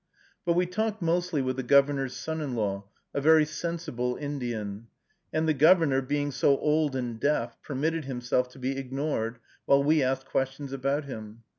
But we talked mostly with the Governor's son in law, a very sensible Indian; and the Governor, being so old and deaf, permitted himself to be ignored, while we asked questions about him.